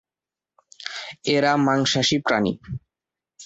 এরা মাংসাশী প্রাণী।